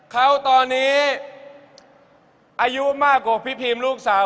เขาตอนนี้อายุมากกว่าพี่พีมลูกสาว